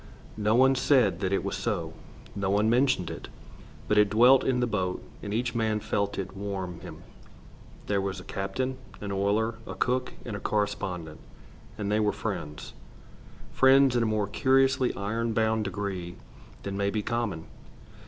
No one said that it was so. No one mentioned it. But it dwelt in the boat, and each man felt it warm him. They were a captain, an oiler, a cook, and a correspondent, and they were friends, friends in a more curiously iron bound degree than may be common.